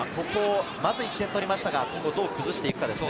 まず１点取りましたが、ここをどう崩していくかですね。